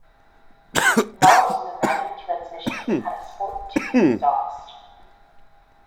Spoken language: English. Models with a manual transmission had a sport-tuned exhaust.